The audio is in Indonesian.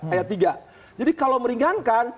ayat tiga jadi kalau meringankan